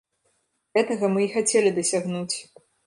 Гэтага мы і хацелі дасягнуць.